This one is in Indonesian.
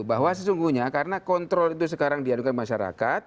bahwa sesungguhnya karena kontrol itu sekarang diadukan masyarakat